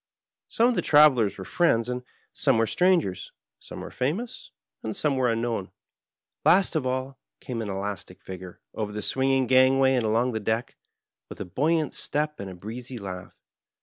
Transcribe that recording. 8ome of the travelers were friends and some were strangers, some were famous and some were unknown. Last of all came an elastic figure over the twinging gangway and along the deck, with a buoyant step and a breezy laugh.